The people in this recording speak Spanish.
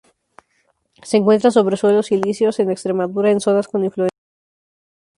Se encuentra sobre suelos silíceos, en Extremadura, en zonas con influencia atlántica.